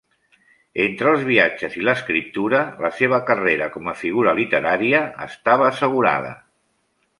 Entre els viatges i l'escriptura, la seva carrera com a figura literària estava assegurada.